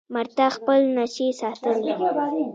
مړتا خپل نشي ساتلی.